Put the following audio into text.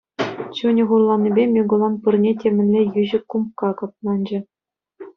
Чунӗ хурланнипе Микулан пырне темӗнле йӳҫӗ кумкка капланчӗ.